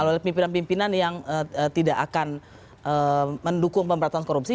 oleh pimpinan pimpinan yang tidak akan mendukung pemberantasan korupsi